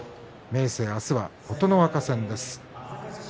明生は、明日は琴ノ若戦です。